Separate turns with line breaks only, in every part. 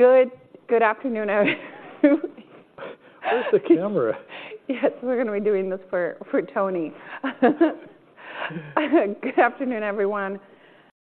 Good, good afternoon, everybody.
Where's the camera?
Yes, we're gonna be doing this for Tony. Good afternoon, everyone.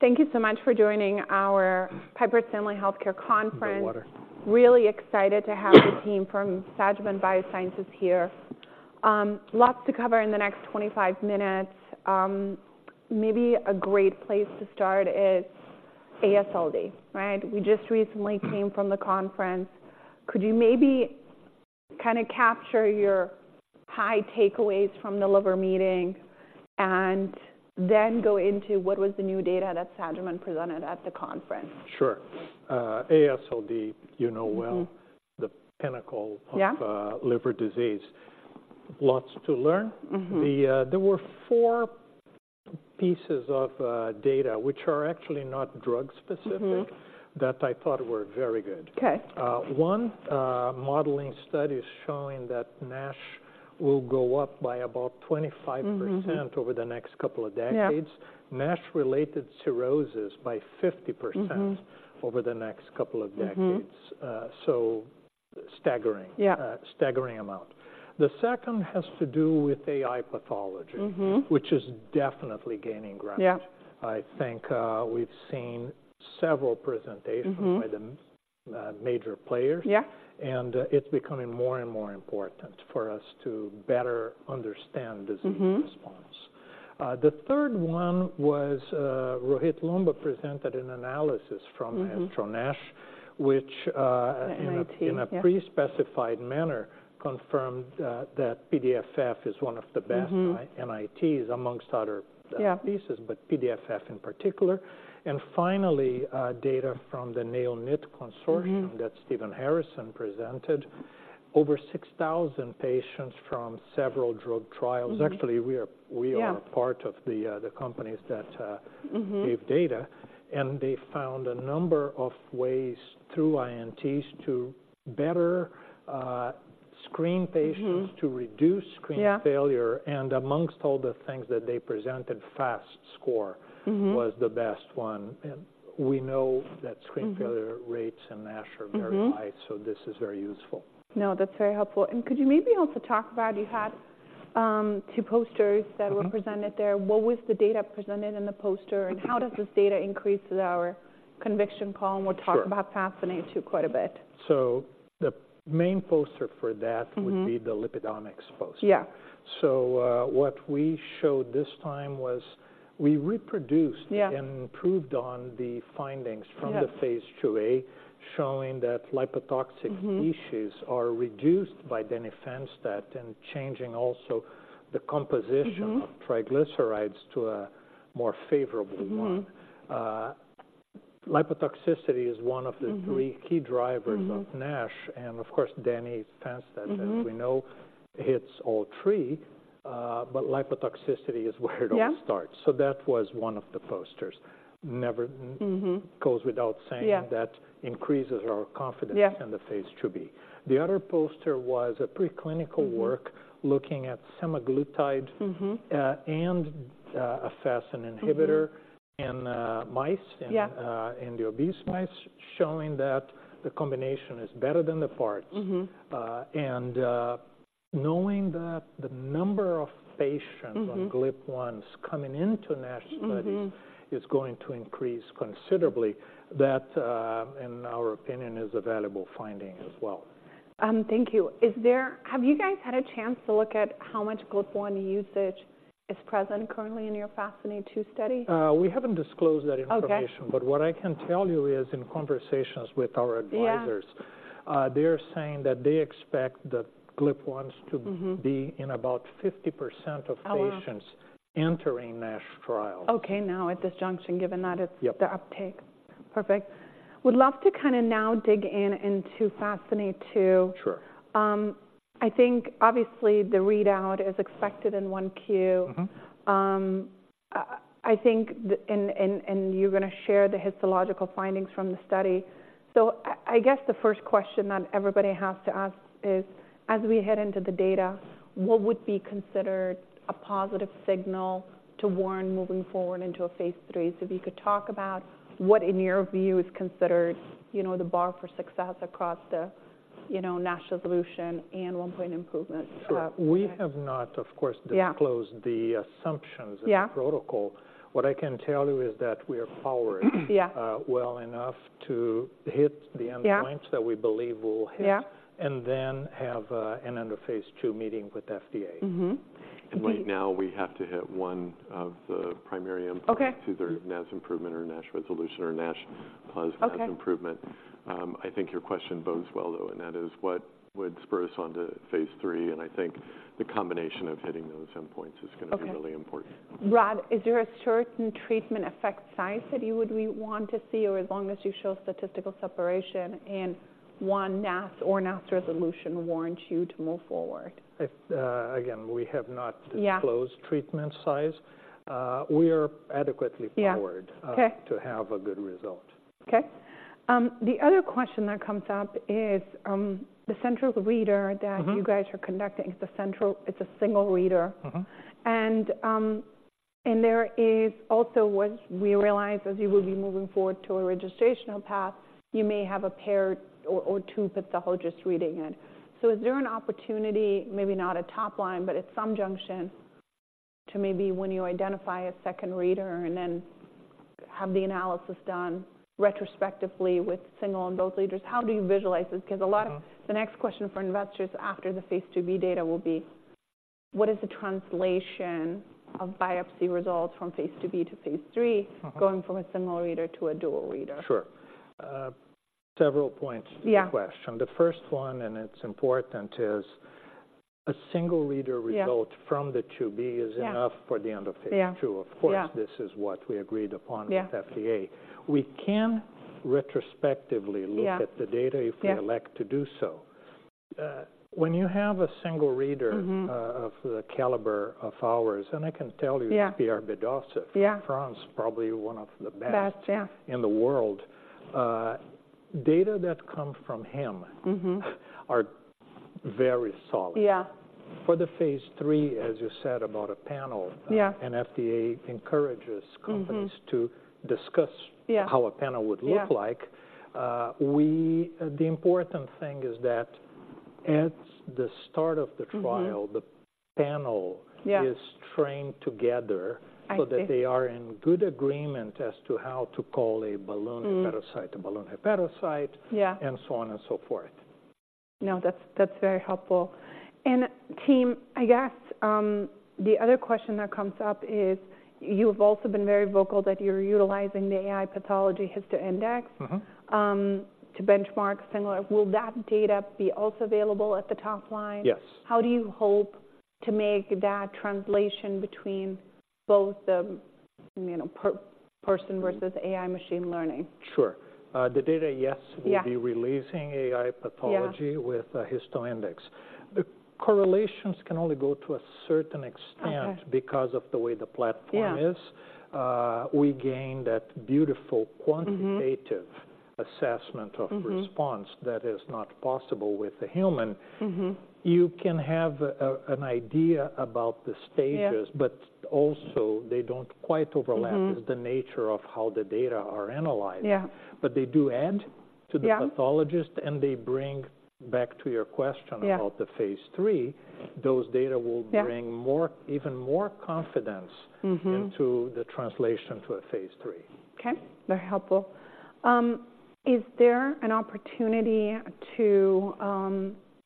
Thank you so much for joining our Piper Sandler Healthcare Conference.
My water.
Really excited to have the team from Sagimet Biosciences here. Lots to cover in the next 25 minutes. Maybe a great place to start is AASLD, right? We just recently came from the conference. Could you maybe kinda capture your high takeaways from the liver meeting, and then go into what was the new data that Sagimet presented at the conference?
Sure. AASLD, you know well. The pinnacle of...
Yeah
Liver disease. Lots to learn. There were four pieces of data, which are actually not drug specific that I thought were very good.
Okay.
One modeling study is showing that NASH will go up by about 25% over the next couple of decades.
Yeah.
NASH-related cirrhosis by 50% over the next couple of decades. So staggering.
Yeah.
Staggering amount. The second has to do with AI pathology which is definitely gaining ground.
Yeah.
I think, we've seen several presentations by the major players.
Yeah.
It's becoming more and more important for us to better understand disease response. The third one was, Rohit Loomba presented an analysis from MAESTRO-NASH, which...
MIT, yeah.
...in a pre-specified manner, confirmed that PDFF is one of the best. NITs, among other...
Yeah.
...pieces, but PDFF in particular. And finally, data from the NAFLD NIT Consortium that Stephen Harrison presented. Over 6,000 patients from several drug trials. Actually, we are...
Yeah.
...we are part of the companies that give data, and they found a number of ways through NITs to better screen patients to reduce screen failure.
Yeah.
Among all the things that they presented, FAST Score. Was the best one. And we know that screen failure rates and NASH are very high. This is very useful.
No, that's very helpful. And could you maybe also talk about, you had, two posters that were presented there. What was the data presented in the poster, and how does this data increase our conviction column?
Sure.
We'll talk about FASCINATE-2 quite a bit.
So the main poster for that would be the lipidomics poster.
Yeah.
So, what we showed this time was we reproduced...
Yeah.
...and improved on the findings.
Yeah.
From the phase 2A, showing that lipotoxic issues are reduced by denifanstat, and changing also the composition of triglycerides to a more favorable one. Lipotoxicity is one of the three key drivers of NASH, and of course, denifanstat as we know, hits all three. But lipotoxicity is where it all starts.
Yeah.
So that was one of the posters goes without saying.
Yeah.
That increases our confidence.
Yeah.
In the phase 2b. The other poster was a preclinical work looking at semaglutide and a FASN inhibitor in, mice and...
Yeah.
...in the obese mice, showing that the combination is better than the parts knowing that the number of patients on GLP-1s coming into NASH study is going to increase considerably. That, in our opinion, is a valuable finding as well.
Thank you. Is there - have you guys had a chance to look at how much GLP-1 usage is present currently in your FASCINATE-2 study?
We haven't disclosed that information.
Okay.
But what I can tell you is, in conversations with our advisors...
Yeah.
...they're saying that they expect the GLP-1s to be in about 50% of patients...
Oh, wow.
...entering NASH trials.
Okay, now, at this junction, given that it's...
Yep.
...the uptake. Perfect. Would love to kind of now dig in into FASCINATE-2.
Sure.
I think obviously the readout is expected in 1Q. I think you're gonna share the histological findings from the study. So I guess the first question that everybody has to ask is, as we head into the data, what would be considered a positive signal to warrant moving forward into a phase 3? So if you could talk about what, in your view, is considered, you know, the bar for success across the, you know, NASH resolution and 1-point improvements.
Sure. We have not, of course...
Yeah.
...disclosed the assumptions...
Yeah.
...in the protocol. What I can tell you is that we are powered...
Yeah.
...well enough to hit the endpoints...
Yeah.
...that we believe we'll hit.
Yeah.
Then have an end of phase 2 meeting with FDA. Right now, we have to hit one of the primary endpoints...
Okay.
...either NASH improvement, or NASH resolution, or NASH plus NASH improvement.
Okay.
I think your question bodes well, though, and that is what would spur us on to phase 3, and I think the combination of hitting those endpoints is gonna be...
Okay..
...really important.
Rod, is there a certain treatment effect size that you would want to see, or as long as you show statistical separation in one NAS or NASH resolution, warrants you to move forward?
If, again, we have not disclosed...
Yeah.
...treatment size. We are adequately forward...
Yeah, okay.
...to have a good result.
Okay. The other question that comes up is, the central reader that you guys are conducting, it's a central. It's a single reader. And there is also what we realize as you will be moving forward to a registrational path, you may have a pair or, or two pathologists reading it. So is there an opportunity, maybe not a top line, but at some junction, to maybe when you identify a second reader and then have the analysis done retrospectively with single and both readers? How do you visualize this? Because a lot of-
Uh...
The next question for investors after the Phase IIb data will be: What is the translation of biopsy results from Phase IIb to Phase III?
Uh-huh.
Going from a single reader to a dual reader?
Sure. Several points...
Yeah.
...to the question. The first one, and it's important, is a single reader result...
Yeah.
...from the IIb is enough.
Yeah
...for the end of phase II.
Yeah.
Of course, this is what we agreed upon...
Yeah.
...with FDA. We can retrospectively look...
Yeah.
...at the data...
Yeah.
...if we elect to do so. When you have a single reader of the caliber of ours, and I can tell you...
Yeah.
...Pierre Bidossef...
Yeah
...France, probably one of the best...
Best, yeah.
...in the world. Data that come from him are very solid.
Yeah.
For the phase III, as you said, about a panel...
Yeah.
...and FDA encourages companies to discuss...
Yeah.
...how a panel would look...
Yeah
...the important thing is that at the start of the trial the panel...
Yeah.
...is trained together.
I see.
So that they are in good agreement as to how to call a balloon hepatocyte ballooning...
Yeah.
...and so on and so forth.
No, that's very helpful. And team, I guess, the other question that comes up is, you've also been very vocal that you're utilizing the AI pathology HistoIndex to benchmark similar. Will that data be also available at the top line?
Yes.
How do you hope to make that translation between both the, you know, per-person versus AI machine learning?
Sure. The data, yes...
Yeah.
...we'll be releasing AI pathology...
Yeah.
...with a HistoIndex. The correlations can only go to a certain extent...
Okay
...because of the way the platform is...
Yeah.
...we gain that beautiful quantitative assessment of response that is not possible with a human. You can have an idea about the stages...
Yeah
...but also they don't quite overlap with the nature of how the data are analyzed.
Yeah.
But they do add to the...
Yeah.
...pathologist, and they bring back to your question...
Yeah.
...about the phase 3, those data will...
Yeah.
...bring more, even more confidence into the translation to a Phase III.
Okay, very helpful. Is there an opportunity to,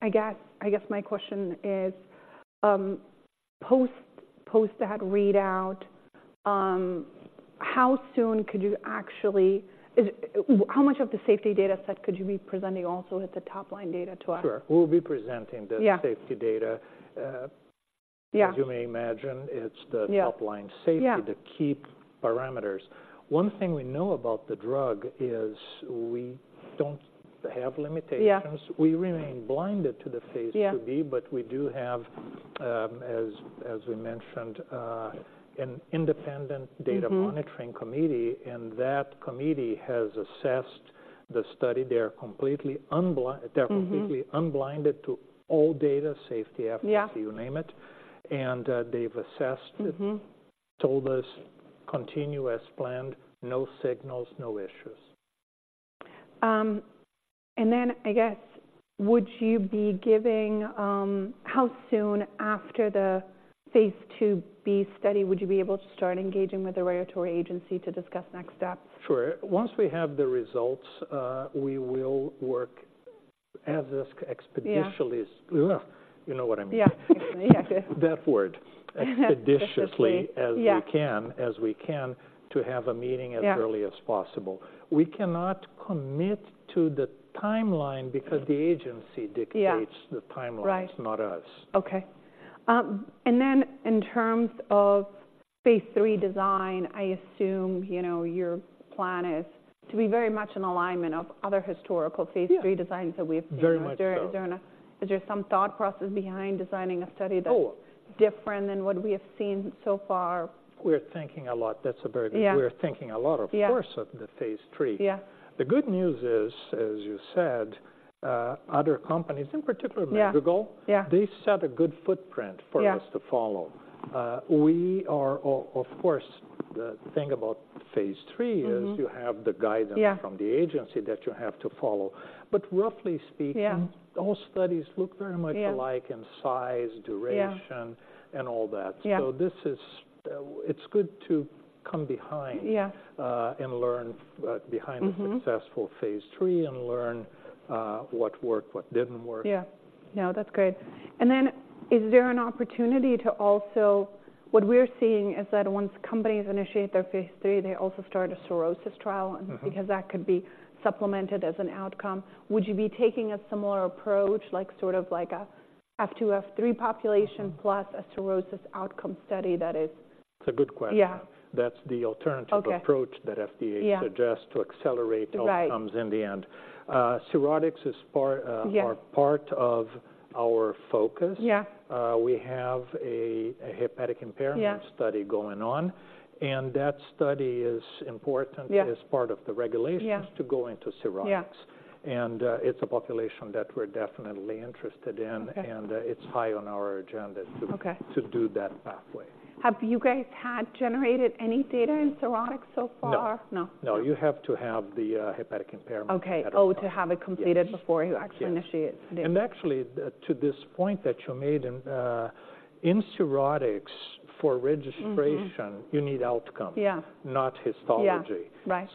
I guess, my question is, post that readout, how soon could you actually - how much of the safety data set could you be presenting also at the top-line data to us?
Sure. We'll be presenting the...
Yeah.
...safety data.
Yeah.
As you may imagine, it's the...
Yeah.
...top-line safety...
Yeah.
...the key parameters. One thing we know about the drug is we don't have limitations.
Yeah.
We remain blinded to the Phase 2b.
Yeah.
But we do have, as we mentioned, an independent data monitoring committee, and that committee has assessed the study. They are completely unblind. They're completely unblinded to all data, safety, efficacy...
Yeah.
...you name it. They've assessed told us, "Continue as planned, no signals, no issues.
Then, I guess, how soon after the Phase IIb study would you be able to start engaging with the regulatory agency to discuss next steps?
Sure. Once we have the results, we will work as expeditiously...
Yeah.
You know what I mean?
Yeah.
That word.
Expeditiously.
Expeditiously...
Yeah.
...as we can to have a meeting...
Yeah.
...as early as possible. We cannot commit to the timeline because the agency dictates...
Yeah.
...the timelines...
Right.
...not us.
Okay. And then in terms of phase 3 design, I assume, you know, your plan is to be very much in alignment of other historical-
Yeah.
Phase III designs that we've seen.
Very much so.
Is there some thought process behind designing a study that...
Oh.
...is different than what we have seen so far?
We're thinking a lot. That's a very good...
Yeah.
...we're thinking a lot..
Yeah
...of course, of the phase III.
Yeah.
The good news is, as you said, other companies, in particular, Madrigal-
Yeah.
They set a good footprint...
Yeah
...for us to follow. We are... Of course, the thing about Phase III is you have the guidance.
Yeah.
...from the agency that you have to follow. But roughly speaking-
Yeah
Those studies look very much alike...
Yeah
...in size, duration...
Yeah
...and all that.
Yeah.
So this is, it's good to come behind...
Yeah
...and learn behind a successful Phase III and learn what worked, what didn't work.
Yeah. No, that's great. And then, is there an opportunity to also... What we're seeing is that once companies initiate their phase 3, they also start a cirrhosis trial because that could be supplemented as an outcome. Would you be taking a similar approach, like sort of like a F2, F3 population? Plus a cirrhosis outcome study, that is?
It's a good question.
Yeah.
That's the alternative...
Okay
...approach that FDA...
Yeah
...suggests to accelerate...
Right
...outcomes in the end. Cirrhotics is part...
Yeah.
...are part of our focus.
Yeah.
We have a hepatic impairment...
Yeah
...study going on... and that study is important...
Yeah.
...as part of the regulations...
Yeah.
...to go into cirrhotics.
Yeah.
It's a population that we're definitely interested in.
Okay..
It's high on our agenda to...
Okay.
...to do that pathway.
Have you guys had generated any data in cirrhotics so far?
No.
No.
No, you have to have the hepatic impairment.
Okay.
Yeah.
Oh, to have it completed before...
Yes.
...you actually initiate the...
Actually, to this point that you made, in cirrhotics, for registration you need outcome...
Yeah.
...not histology.
Yeah,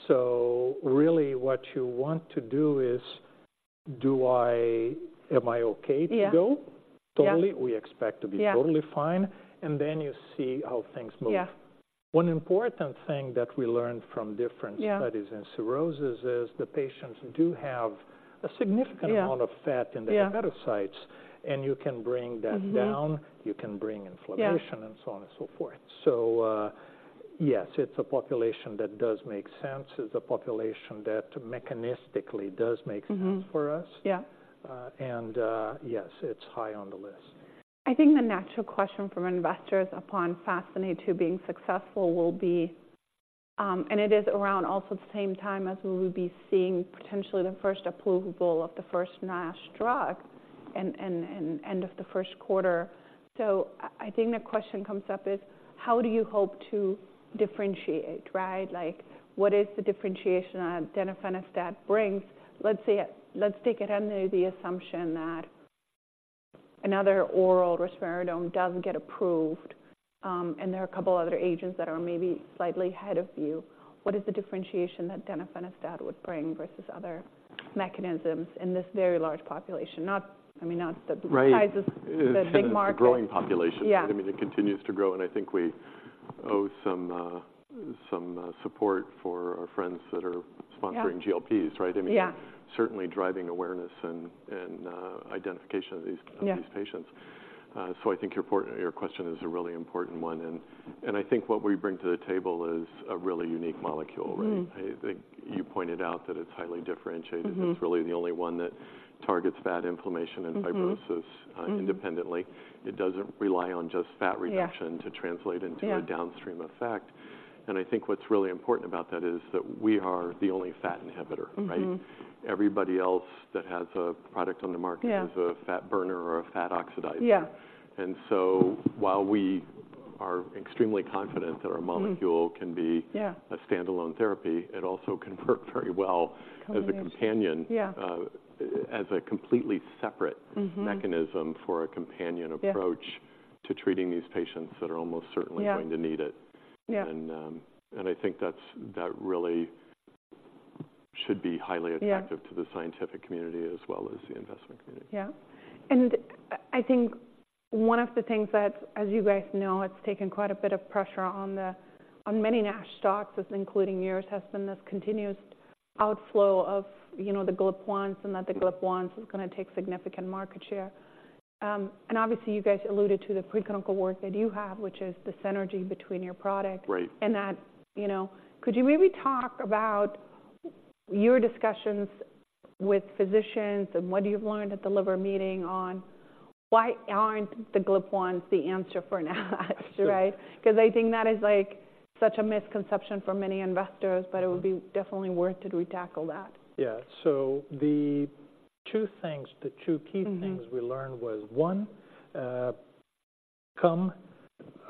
right.
Really, what you want to do is, am I okay to go?
Yeah.
Totally.
Yeah.
We expect to be...
Yeah.
Totally fine, and then you see how things move.
Yeah.
One important thing that we learned from different...
Yeah.
...studies in cirrhosis is the patients do have a significant...
Yeah.
...amount of fat in the...
Yeah.
...hepatocytes, and you can bring that down. You can bring inflammation...
Yeah.
...and so on and so forth. So, yes, it's a population that does make sense. It's a population that mechanistically does make sense for us.
Yeah.
Yes, it's high on the list.
I think the natural question from investors upon FASCINATE-2 being successful will be. And it is around also the same time as we will be seeing potentially the first approvable of the first NASH drug in end of the first quarter. So I think the question comes up is: How do you hope to differentiate, right? Like, what is the differentiation that denifanstat brings? Let's say, let's take it under the assumption that another oral resmetirom doesn't get approved, and there are a couple other agents that are maybe slightly ahead of you. What is the differentiation that denifanstat would bring versus other mechanisms in this very large population? Not, I mean, not the-
Right.
The size of the big market.
It's a growing population.
Yeah.
I mean, it continues to grow, and I think we owe some support for our friends that are sponsoring-
Yeah
GLPs, right?
Yeah.
I mean, certainly driving awareness and identification of these...
Yeah
...of these patients. So I think your point-your question is a really important one, and, and I think what we bring to the table is a really unique molecule, right? I think you pointed out that it's highly differentiated. It's really the only one that targets fat inflammation and fibrosis independently. It doesn't rely on just fat reduction...
Yeah.
...to translate into...
Yeah.
...a downstream effect. I think what's really important about that is that we are the only fat inhibitor, right? Everybody else that has a product on the market...
Yeah.
...is a fat burner or a fat oxidizer.
Yeah.
While we are extremely confident that our molecule can be...
Yeah.
...a standalone therapy, it also can work very well...
Combination
...as a companion...
Yeah.
...as a completely separate mechanism for a companion approach...
Yeah.
...to treating these patients that are almost certainly...
Yeah.
...going to need it.
Yeah.
And I think that really should be highly effective...
Yeah.
...to the scientific community as well as the investment community.
Yeah. And, I think one of the things that, as you guys know, it's taken quite a bit of pressure on the- on many NASH stocks, as including yours, has been this continuous outflow of, you know, the GLP-1, and that the GLP-1 is gonna take significant market share. And obviously, you guys alluded to the preclinical work that you have, which is the synergy between your product.
Right.
And that, you know... Could you maybe talk about your discussions with physicians, and what you've learned at the liver meeting on why aren't the GLP-1 the answer for now, right? Because I think that is, like, such a misconception for many investors. But it would be definitely worth to tackle that.
Yeah. So the two things, the two key things we learned was, one, come,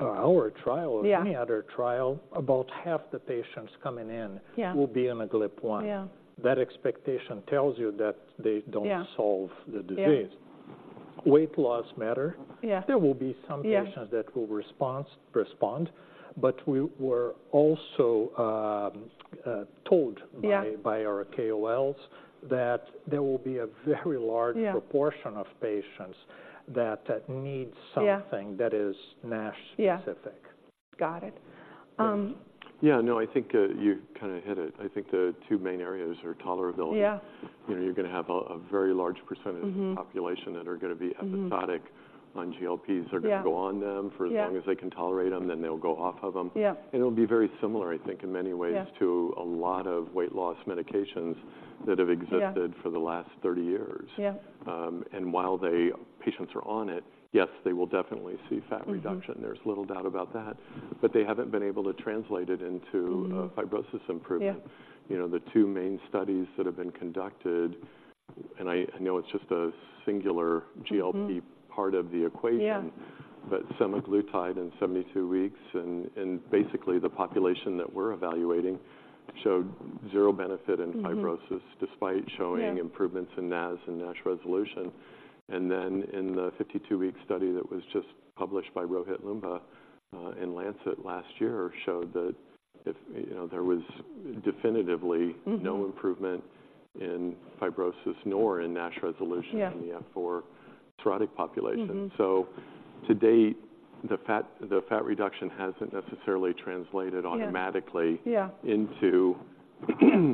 our trial...
Yeah.
...or any other trial, about half the patients coming in-
Yeah.
...will be on a GLP-1.
Yeah.
That expectation tells you that they don't...
Yeah.
...solve the disease.
Yeah.
Weight loss matter.
Yeah.
There will be some patients...
Yeah.
...that will respond, but we were also told...
Yeah.
...by our KOLs, that there will be a very large...
Yeah.
...proportion of patients that need something...
Yeah.
...that is NASH...
Yeah.
...specific.
Got it.
Yeah, no, I think, you kinda hit it. I think the two main areas are tolerability.
Yeah.
You know, you're gonna have a very large percentage of population that are gonna be episodic on GLPs.
Yeah.
They're gonna go on them...
Yeah
...for as long as they can tolerate them, then they'll go off of them.
Yeah.
It'll be very similar, I think, in many ways...
Yeah.
...to a lot of weight loss medications that have existed
Yeah.
...for the last 30 years.
Yeah.
While patients are on it, yes, they will definitely see fat reduction. There's little doubt about that, but they haven't been able to translate it into fibrosis improvement.
Yeah.
You know, the two main studies that have been conducted, and I know it's just a singular GLP part of the equation.
Yeah.
But semaglutide in 72 weeks, and basically, the population that we're evaluating showed zero benefit in fibrosis despite showing...
Yeah.
...improvements in NAS and NASH resolution. And then, in the 52-week study that was just published by Rohit Loomba in Lancet last year, showed that if, you know, there was definitively. No improvement in fibrosis nor in NASH resolution...
Yeah.
...in the F4 cirrhotic population. To date, the fat reduction hasn't necessarily translated automatically...
Yeah.
...into,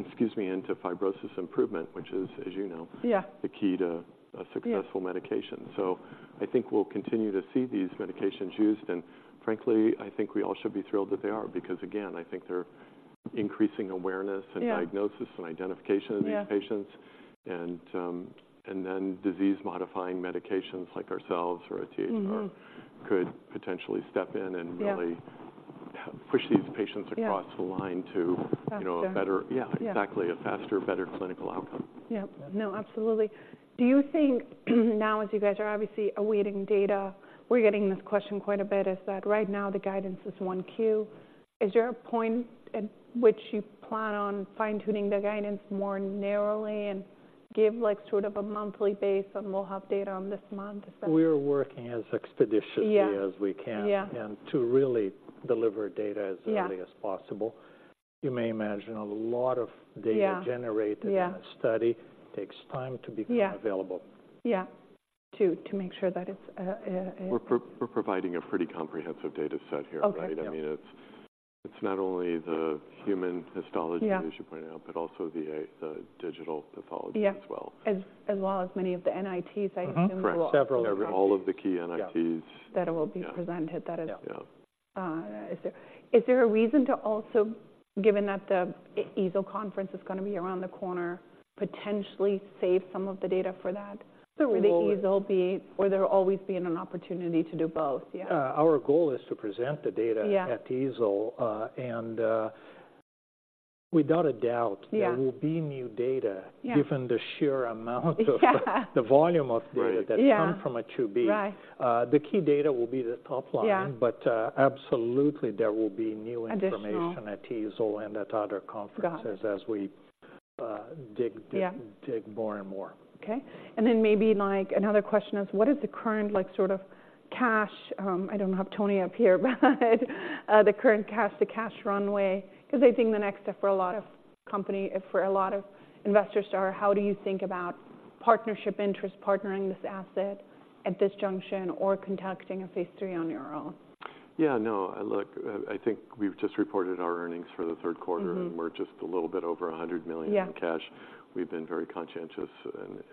excuse me, into fibrosis improvement, which is, as you know...
Yeah.
...the key to a...
Yeah.
...successful medication. So I think we'll continue to see these medications used, and frankly, I think we all should be thrilled that they are. Because, again, I think they're increasing awareness.
Yeah.
Diagnosis and identification of these patients.
Yeah.
And then disease-modifying medications like ourselves or a THR Could potentially step in and really...
Yeah.
...push these patients across...
Yeah.
...the line to...
Faster.
You know, a better... Yeah.
Yeah.
Exactly. A faster, better clinical outcome.
Yep. No, absolutely. Do you think now, as you guys are obviously awaiting data, we're getting this question quite a bit? Is that right now the guidance is 1 Q? Is there a point at which you plan on fine-tuning the guidance more narrowly and give, like, sort of a monthly basis, and we'll have data on this month? Is that-
We are working as expeditiously...
Yeah.
...as we can.
Yeah.
To really deliver data as...
Yeah.
...early as possible. You may imagine a lot of data...
Yeah.
...generated...
Yeah.
...in a study takes time to become...
Yeah.
...available.
Yeah, to make sure that it's...
We're providing a pretty comprehensive data set here.
Okay.
Right? I mean, it's, it's not only the human histology...
Yeah.
...as you pointed out, but also the digital pathology...
Yeah
...as well.
As well as many of the NITs, I think.
Correct.
All of the key NITs.
Yeah.
That will be presented.
Yeah.
That is...
Yeah.
Is there a reason to also, given that the EASL conference is gonna be around the corner, potentially save some of the data for that?
So we...
Will the EASL be, or will there always be an opportunity to do both, yeah?
Our goal is to present the data...
Yeah.
...at EASL. And without a doubt...
Yeah.
There will be new data.
Yeah.
Given the sheer amount of...
Yeah.
...the volume of data.
Right.
Yeah.
That come from a IIb.
Right.
The key data will be the top line.
Yeah.
But, absolutely, there will be new information...
Additional.
...at EASL and at other conferences...
Got it.
...as we dig...
Yeah.
...dig more and more.
Okay. And then maybe, like, another question is, what is the current like, sort of cash... I don't have Tony up here, but the current cash, the cash runway, because I think the next step for a lot of company and for a lot of investors are, how do you think about partnership interest, partnering this asset at this junction or conducting a phase 3 on your own?
Yeah, no, look, I think we've just reported our earnings for the third quarter. We're just a little bit over $100 million...
Yeah.
...in cash. We've been very conscientious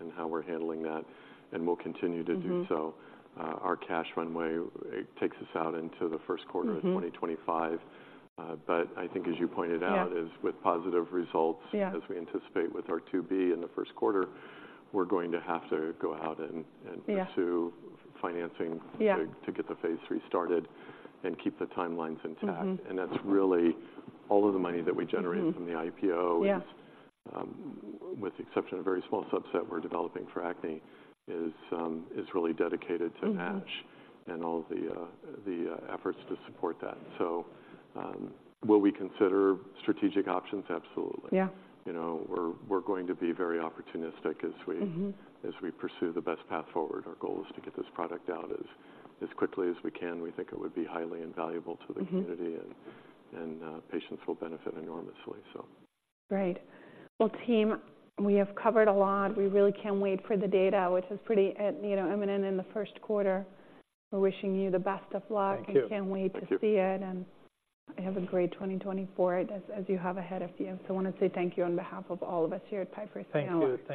in how we're handling that, and we'll continue to do so. Our cash runway, it takes us out into the first quarter of 2025. But I think, as you pointed out..
Yeah.
...is with positive results.
Yeah.
As we anticipate with our IIb in the first quarter, we're going to have to go out and...
Yeah.
...pursue financing...
Yeah.
...to get the phase 3 started and keep the timelines intact. That's really all of the money that we generated from the IPO is...
Yeah.
...with the exception of a very small subset we're developing for acne, is really dedicated to match and all the efforts to support that. So, will we consider strategic options? Absolutely.
Yeah.
You know, we're going to be very opportunistic as we as we pursue the best path forward. Our goal is to get this product out as quickly as we can. We think it would be highly invaluable to the community, and patients will benefit enormously, so.
Great. Well, team, we have covered a lot. We really can't wait for the data, which is pretty, you know, imminent in the first quarter. We're wishing you the best of luck.
Thank you.
We can't wait...
Thank you.
...to see it, and have a great 2024 as you have ahead of you. So I want to say thank you on behalf of all of us here at Piper Sandler.
Thank you.